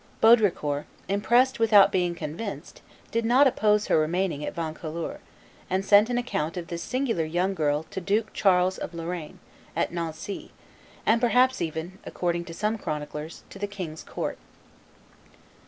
Baudricourt, impressed without being convinced, did not oppose her remaining at Vaucouleurs, and sent an account of this singular young girl to Duke Charles of Lorraine, at Nancy, and perhaps even, according to some chronicles, to the king's court.